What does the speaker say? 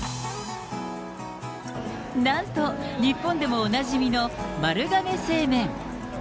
なんと、日本でもおなじみの丸亀製麺。